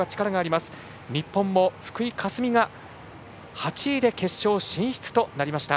日本の福井香澄が８位で決勝進出となりました。